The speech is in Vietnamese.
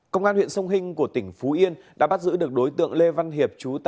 công an huyện sông hinh của tỉnh phú yên đã bắt giữ được đối tượng lê văn hiệp